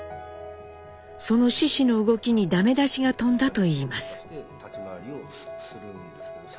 その獅子の動きに駄目出しが飛んだといいます。